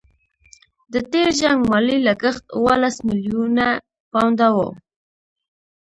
د تېر جنګ مالي لګښت اوولس میلیونه پونډه وو.